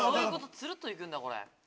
ツルっと行くんだこれ。